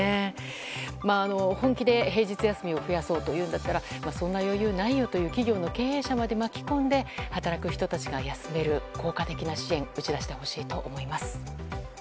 本気で平日休みを増やそうというならそんな余裕ないよという企業の経営者まで巻き込んで、働く人たちが休める効果的な支援を打ち出してほしいと思います。